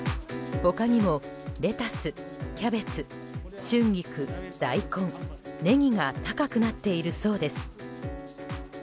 他にもレタス、キャベツ春菊、大根、ネギが高くなっているそうです。